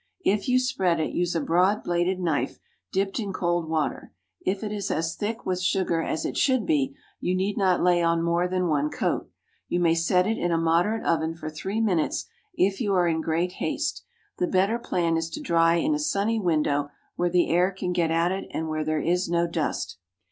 If you spread it, use a broad bladed knife, dipped in cold water. If it is as thick with sugar as it should be, you need not lay on more than one coat. You may set it in a moderate oven for three minutes, if you are in great haste. The better plan is to dry in a sunny window, where the air can get at it, and where there is no dust.